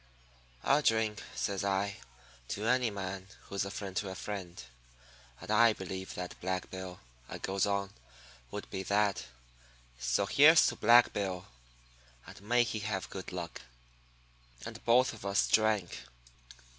"'I'll drink,' says I, 'to any man who's a friend to a friend. And I believe that Black Bill,' I goes on, 'would be that. So here's to Black Bill, and may he have good luck.' "And both of us drank.